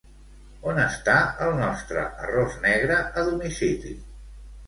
On està el nostre arròs negre a domicili?